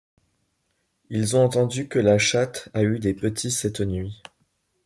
Ils ont entendu que la chatte a eu des petits cette nuit.